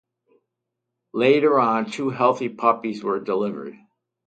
Later on, two healthy puppies were delivered.